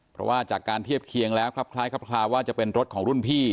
เพราะว่าจากการเทียบเคียงแล้วครับคล้ายครับคลาว่าจะเป็นรถของรุ่นพี่